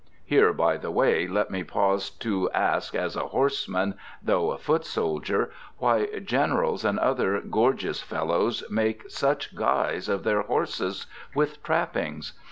Here, by the way, let me pause to ask, as a horseman, though a foot soldier, why generals and other gorgeous fellows make such guys of their horses with trappings.